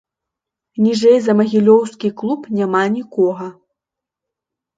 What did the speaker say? Ніжэй за магілёўскі клуб няма нікога.